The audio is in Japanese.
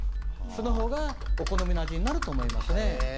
そのほうがお好みの味になると思いますね。